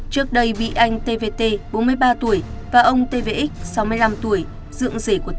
trước đây bị anh tvt bốn mươi ba tuổi và ông tvx sáu mươi năm tuổi dưỡng rể của t